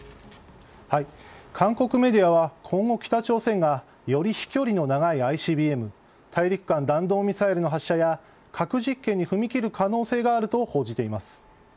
韓国メディアは今後北朝鮮がより飛距離の長いＩＣＢＭ・大陸間弾道ミサイルの発射や核実験に踏み切る可能性があると報じています。